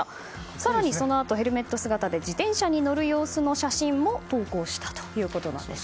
更にそのあと、ヘルメット姿で自転車に乗る様子の写真も投稿したということです。